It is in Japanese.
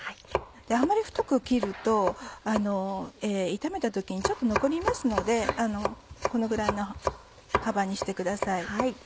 あんまり太く切ると炒めた時にちょっと残りますのでこのぐらいの幅にしてください。